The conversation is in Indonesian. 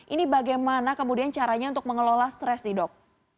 ini bagaimana kemudian caranya untuk mengelola stres nih dok